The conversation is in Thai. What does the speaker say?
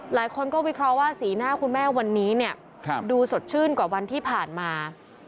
หลายคนก็วิเคราะห์ว่าสีหน้าคุณแม่วันนี้เนี่ยดูสดชื่นกว่าวันที่ผ่านมา